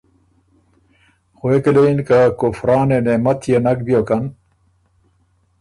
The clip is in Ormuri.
غوېکه له یِن که کُفرانِ نعمت يې نک بیوکن